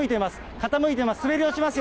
傾いています。